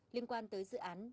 liên quan tới dự án